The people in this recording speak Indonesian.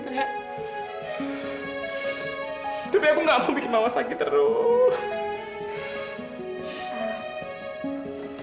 tapi aku gak mau bikin mau sakit terus